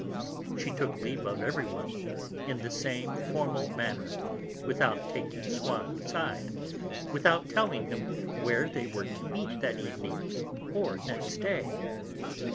She took leave of everyone, in the same formal manner, without taking Swann aside, without telling him where they were to meet that evening, or next day.